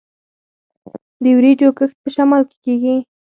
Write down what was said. د وریجو کښت په شمال کې کیږي.